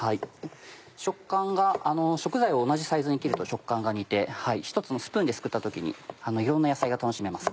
食材を同じサイズに切ると食感が似て１つのスプーンですくった時にいろんな野菜が楽しめます。